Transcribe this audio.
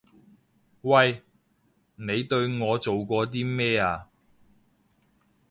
喂！你對我做過啲咩啊？